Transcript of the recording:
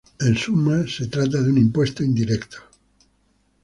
En suma, se trataba de un impuesto indirecto.